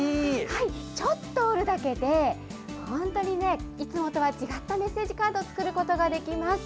ちょっと折るだけでいつもとは違ったメッセージカードを作ることができます。